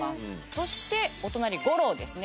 そしてお隣ゴローですね